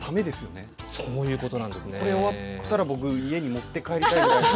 これ終わったら僕家に持って帰りたいぐらいの。